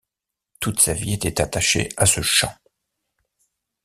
Toute sa vie était attachée à ce chant...